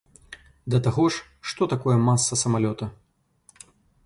Да таго ж, што такое маса самалёта?